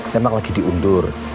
memang lagi diundur